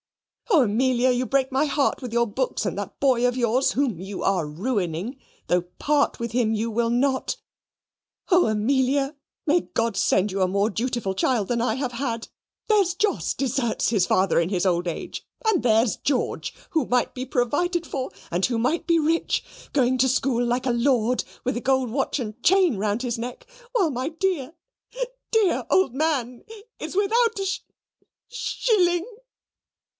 Oh, Amelia! you break my heart with your books and that boy of yours, whom you are ruining, though part with him you will not. Oh, Amelia, may God send you a more dutiful child than I have had! There's Jos, deserts his father in his old age; and there's George, who might be provided for, and who might be rich, going to school like a lord, with a gold watch and chain round his neck while my dear, dear old man is without a sh shilling."